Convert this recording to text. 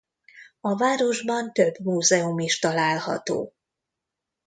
A városban több múzeum is található.